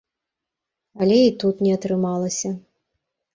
Але і тут не атрымалася.